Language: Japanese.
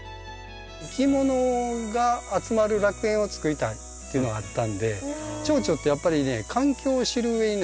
いきものが集まる楽園を作りたいっていうのがあったんでチョウチョってやっぱりね環境を知るうえにね